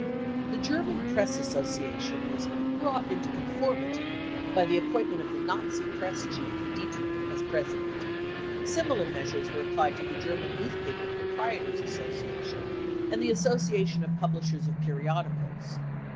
The German Press Association was " brought into con formity 55 by the appointment of the Nazi Press chief, Dietrich, as president ; similar measures were applied to the German Newspaper Proprietors Association and the Association of Publishers of Periodicals.